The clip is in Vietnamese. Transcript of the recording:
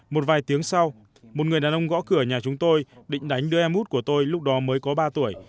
một vài tiếng sau một người đàn ông gõ cửa nhà chúng tôi định đánh đưa em mút của tôi lúc đó mới có ba tuổi